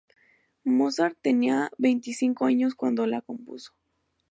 Mozart tenía veinticinco años cuando la compuso.